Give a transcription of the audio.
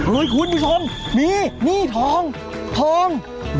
อุ๊ยคุณผู้ชมมีนี่ทองทอง